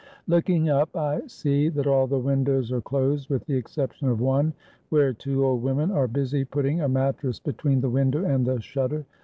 Look ing up, I see that all the windows are closed, with the exception of one, where two old women are busy putting a mattress between the window and the shutter.